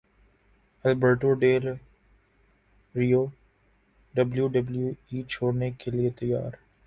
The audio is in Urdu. Alberto Del Rio W W E چھوڑنے کے لیے تیار